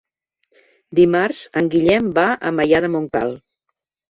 Dimarts en Guillem va a Maià de Montcal.